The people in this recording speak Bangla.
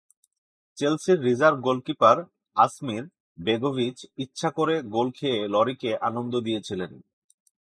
চেলসির রিজার্ভ গোলকিপার আসমির বেগোভিচ ইচ্ছা করেই গোল খেয়ে লরিকে আনন্দ দিয়েছিলেন।